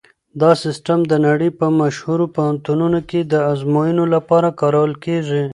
دا سیسټم د نړۍ په مشهورو پوهنتونونو کې د ازموینو لپاره کارول کیږي.